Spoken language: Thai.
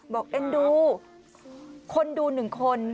เอ็นดูคนดู๑คน